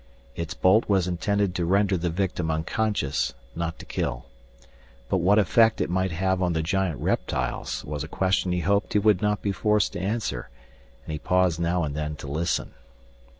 Its bolt was intended to render the victim unconscious, not to kill. But what effect it might have on the giant reptiles was a question he hoped he would not be forced to answer, and he paused now and then to listen.